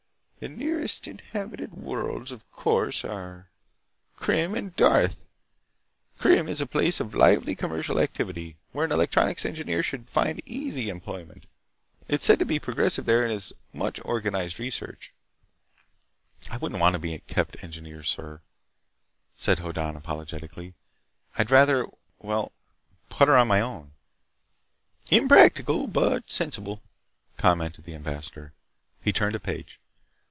"The nearest inhabited worlds, of course, are Krim and Darth. Krim is a place of lively commercial activity, where an electronics engineer should easily find employment. It is said to be progressive and there is much organized research—" "I wouldn't want to be a kept engineer, sir," said Hoddan apologetically. "I'd rather ... well ... putter on my own." "Impractical, but sensible," commented the ambassador. He turned a page.